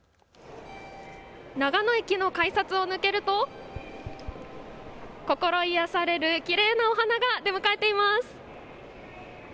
長野駅の改札を抜けると心癒やされるきれいなお花が出迎えています。